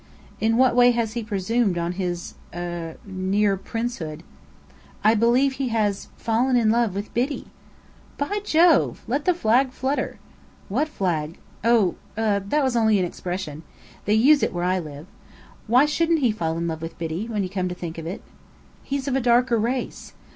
"In what way has he presumed on his er near princehood?" "I believe he has fallen in love with Biddy!" "By Jove! Let the flag flutter!" "What flag?" "Oh er that was only an expression. They use it where I live. Why shouldn't he fall in love with Biddy, when you come to think of it?" "He's of a darker race.